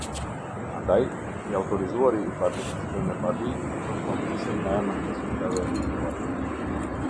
Andaj, i autorizuari i paditësve me padi kërkon kompensim në emër të shujtave ditore.